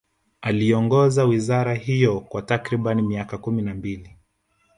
Aliongoza wizara hiyo kwa takriban miaka kumi na mbili